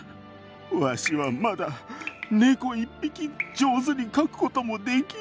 わしはまだ猫一匹上手に描くこともできん。